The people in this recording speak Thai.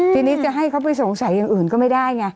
ทีนี้จะให้เขาไปสงสัยอย่างอื่นก็ไม่ได้ไง